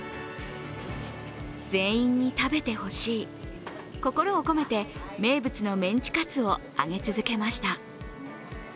全員に食べてほしい、心を込めて名物のメンチカツを揚げ続けました。